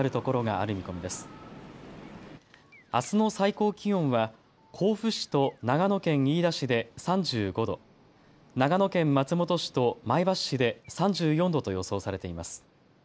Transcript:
あすの最高気温は甲府市と長野県飯田市で３５度、長野県松本市と前橋市で３４度と予想されています。